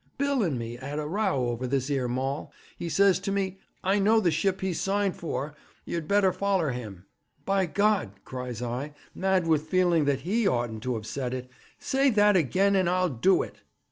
Bill and me 'ad a row over this 'ere Maul. He says to me: "I know the ship he's signed for; yer'd better foller him." "By God!" cries I, mad with feeling that he oughtn't to have said it, "say that again, and I'll do it."